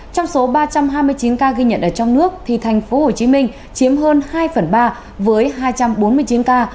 trong số ba trăm hai mươi chín ca ghi nhận ở trong nước thì thành phố hồ chí minh chiếm hơn hai phần ba với hai trăm bốn mươi chín ca